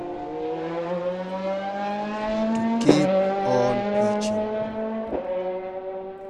To keep on pitching.